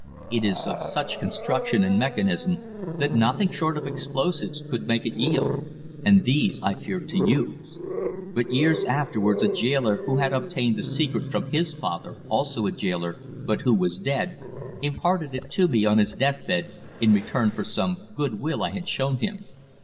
It is of such construction and mechanism that nothing short of explosives could make it yield, and these I feared to use. But years afterwards a gaoler who had obtained the secret from his father, also a gaoler, but who was dead, imparted it to me on his death bed in return for some good will I had shown him.